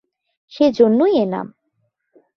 সে জন্যই এ নাম।